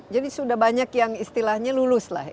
jadi sudah banyak yang istilahnya lulus